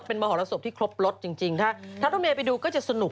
อาหารโมหารส่วนที่ครบรถจริงถ้าคุณแม่ไปดูก็จะสนุก